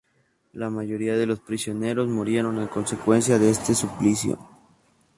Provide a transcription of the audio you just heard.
La mayoría de los prisioneros murieron a consecuencia de este suplicio.